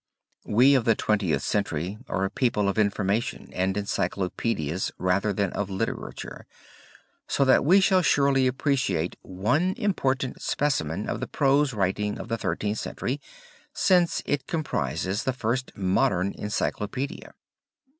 We of the Twentieth Century are a people of information and encyclopedias rather than of literature, so that we shall surely appreciate one important specimen of the prose writing of the Thirteenth Century since it comprises the first modern encyclopedia.